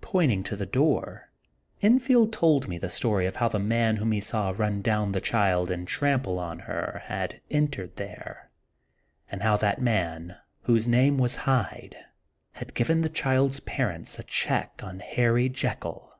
Pointing to the door, Enfield told me the story of how the man whom he saw run down the child and trample on her had entered there ; and how that man, whose name was Hyde, had given the child's parents a check on Harry yekyll!